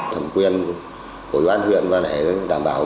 thẩm quyền của đoàn huyện và đảm bảo cái